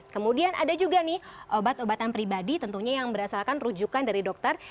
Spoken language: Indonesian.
kemudian ada juga nih obat obatan pribadi tentunya yang berdasarkan rujukan dari dokter